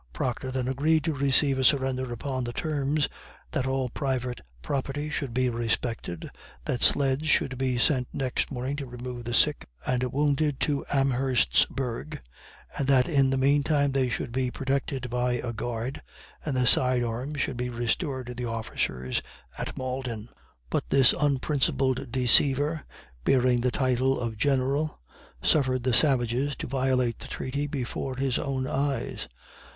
Proctor then agreed to receive a surrender upon the terms, that all private property should be respected that sleds should be sent next morning to remove the sick and wounded to Amherstburg and that in the mean time they should be protected by a guard, and the side arms should be restored to the officers at Malden. But this unprincipled deceiver, bearing the title of General, suffered the savages to violate the treaty before his own eyes.